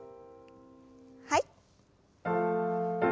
はい。